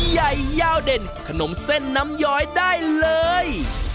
ใหญ่ยาวเด่นขนมเส้นน้ำย้อยได้เลย